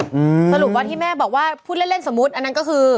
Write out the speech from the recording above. อืมสรุปว่าที่แม่บอกว่าพูดเล่นเล่นสมมุติอันนั้นก็คือ